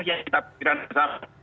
yang kita pikiran besar